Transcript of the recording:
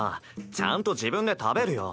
ちゃんと自分で食べるよ。